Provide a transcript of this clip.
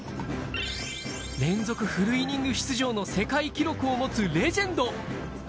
連続フルイニング出場の世界記録を持つレジェンド。